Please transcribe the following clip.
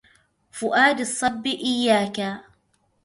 فؤاد الصب إياكا